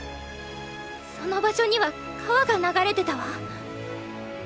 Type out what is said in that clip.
その場所には川が流れてたわ。